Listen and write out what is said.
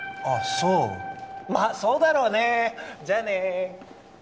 そうまっそうだろうねじゃあね